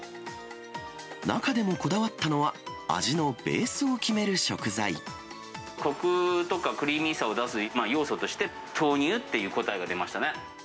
中でもこだわったのは、味のベーこくとかクリーミーさを出す要素として、豆乳っていう答えが出ましたね。